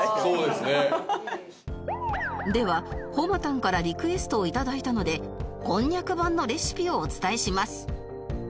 ではほまたんからリクエストを頂いたので蒟蒻版のレシピをお伝えします